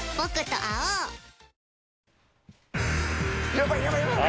やばいやばい！